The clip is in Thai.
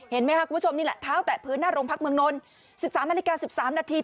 เห็นไหมครับคุณผู้ชมนี่แหละเท้าแตะพื้นหน้าโรงพักเมืองนนท์๑๓นาฬิกา๑๓นาที